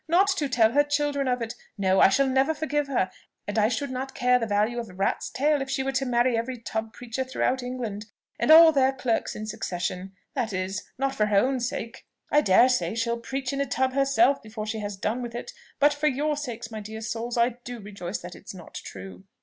not to tell her children of it! No, I never shall forgive her, and I should not care the value of a rat's tail if she were to marry every tub preacher throughout England, and all their clerks in succession that is, not for her own sake. I dare say she'll preach in a tub herself before she has done with it; but for your sakes, my dear souls, I do rejoice that it is not true."